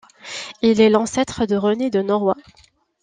Il est l'ancêtre de René de Naurois.